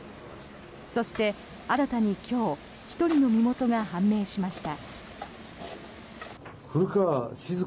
そして、新たに今日１人の身元が判明しました。